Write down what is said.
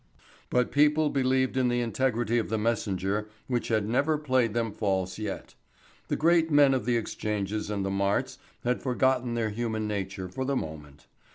But people believed in the integrity of The Messenger which had never played them false yet. The great men of the exchanges and the marts had forgotten their human nature for the moment.